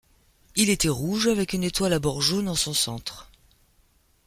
Il était rouge avec une étoile à bords jaunes en son centre.